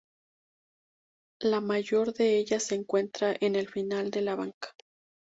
La mayor de ellas se encuentra en el final de la banca.